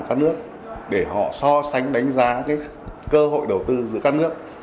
các nước để họ so sánh đánh giá cơ hội đầu tư giữa các nước